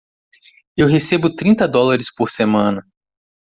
Eu recebo trinta dólares por semana.